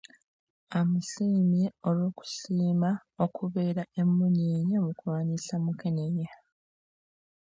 Amusiimye olw'okusiima okubeera emmunyeenye mu kulwanyisa Mukenenya